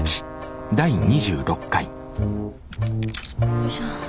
よいしょ。